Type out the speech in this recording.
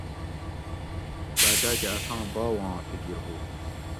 باچاۤ کہ اساں باواں فکر ہُو